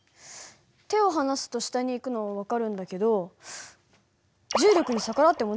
手を離すと下に行くのは分かるんだけど重力に逆らって戻ってくるんだもん。